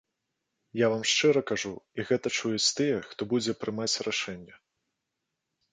Я вам шчыра кажу, і гэта чуюць тыя, хто будзе прымаць рашэнне.